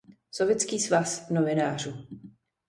Sovětský svaz novinářů.